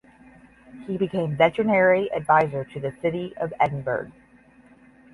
He became Veterinary Advisor to the City of Edinburgh.